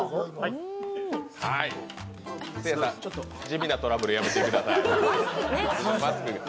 せいやさん、地味なトラブルやめてください。